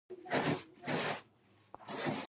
د دوستانو احترام زما وجیبه ده.